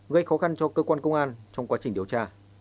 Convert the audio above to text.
gây khó khăn cho cơ quan công an trong quá trình điều tra